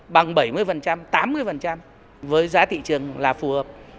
bằng bảy mươi tám mươi với giá thị trường là phù hợp